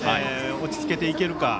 落ち着けていけるか。